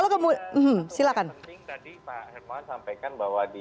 penting tadi pak hermawan sampaikan bahwa di